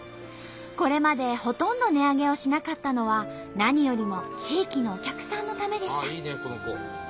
これまでほとんど値上げをしなかったのは何よりも地域のお客さんのためでした。